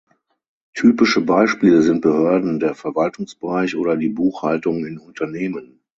Typische Beispiele sind Behörden, der Verwaltungsbereich oder die Buchhaltung in Unternehmen.